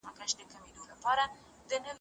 حقایق په علمي توګه تنظیم سوي دي.